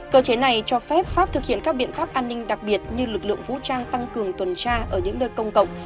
cơ chế này cho phép pháp thực hiện các biện pháp an ninh đặc biệt như lực lượng vũ trang tăng cường tuần tra ở những nơi công cộng